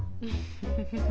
フフフフ。